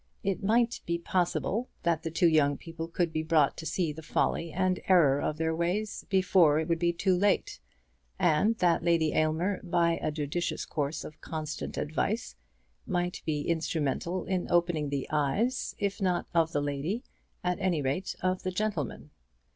It might be possible that the two young people could be brought to see the folly and error of their ways before it would be too late; and that Lady Aylmer, by a judicious course of constant advice, might be instrumental in opening the eyes, if not of the lady, at any rate of the gentleman.